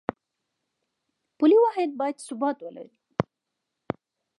پولي واحد باید ثبات ولري